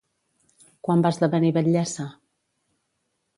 Quan va esdevenir batllessa?